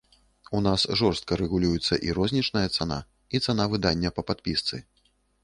У нас жорстка рэгулюецца і рознічная цана, і цана выдання па падпісцы.